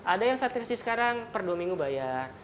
ada yang saat kasih sekarang per dua minggu bayar